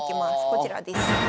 こちらです。